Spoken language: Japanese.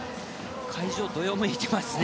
会場どよめいていますね。